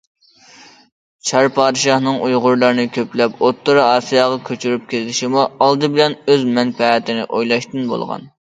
چار پادىشاھنىڭ ئۇيغۇرلارنى كۆپلەپ ئوتتۇرا ئاسىياغا كۆچۈرۈپ كېلىشىمۇ ئالدى بىلەن ئۆز مەنپەئەتىنى ئويلاشتىن بولغان.